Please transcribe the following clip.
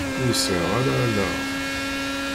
Ur sɛiɣ ara allaɣ.